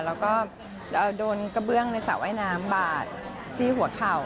แล้วก็โดนกระเบื้องในสระว่ายน้ำบาดที่หัวเข่า